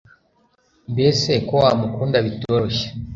mbese ko wamukunda bitoroshye